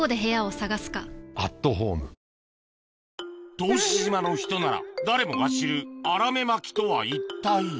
答志島の人なら誰もが知るアラメマキとは一体？